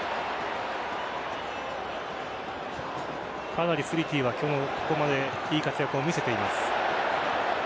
かなりスリティは、ここまでいい活躍を見せています。